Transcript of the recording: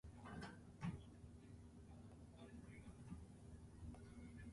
It is currently undergoing major refurbishment and a temporary dock is in place.